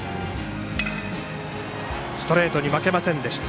ストレートに負けませんでした。